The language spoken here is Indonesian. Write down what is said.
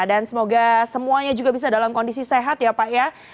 dan semoga semuanya juga bisa dalam kondisi sehat ya pak ya